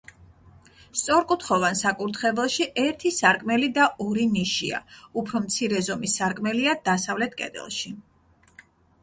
სწორკუთხოვან საკურთხეველში ერთი სარკმელი და ორი ნიშია, უფრო მცირე ზომის სარკმელია დასავლეთ კედელში.